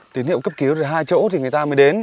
tín hiệu cấp cứu thì hai chỗ thì người ta mới đến